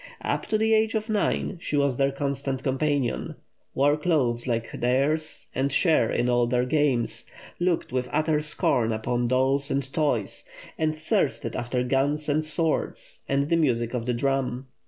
Up to the age of nine she was their constant companion wore clothes like theirs, and shared in all their games, looked with utter scorn upon dolls and toys, and thirsted after guns and swords, and the music of the drum.